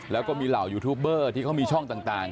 แล้วก็มีเหล่ายูทูบเบอร์ที่เขามีช่องต่าง